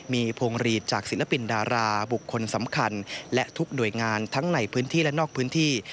มีพวงหลีดจากศิลปินดาราบุคคลสำคัญและทุกหน่วยงานทั้งในพื้นที่และนอกพื้นที่